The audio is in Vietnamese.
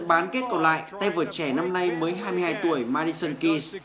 hán kết còn lại tay vượt trẻ năm nay mới hai mươi hai tuổi madison keyes